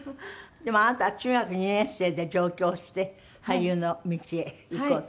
でもあなたは中学２年生で上京をして俳優の道へ行こうと。